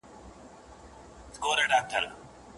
محافظه کار خلګ هېڅکله نوي بدلون ته هرکلی نه وایي.